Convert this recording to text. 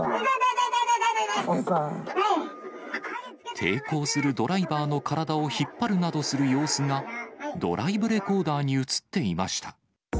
抵抗するドライバーの体を引っ張るなどする様子が、ドライブレコーダーに写っていました。